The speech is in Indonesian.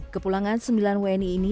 kepulangan sembilan wni ini